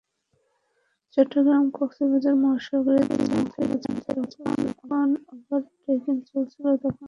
চট্টগ্রাম-কক্সবাজার মহাসড়কে দ্বিমুখী যান চলাচল, যখন ওভারটেকিং চলছিল তখন আমাদের সমস্যা হতো।